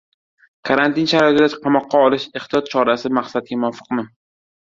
Karantin sharoitida «qamoqqa olish» ehtiyot chorasi maqsadga muvofiqmi?